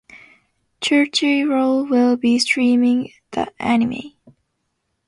Crunchyroll will be streaming the anime.